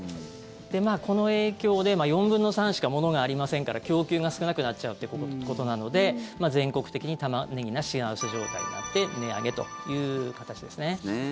この影響で４分の３しか物がありませんから供給が少なくなっちゃうということなので全国的にタマネギが品薄状態になって値上げという形ですね。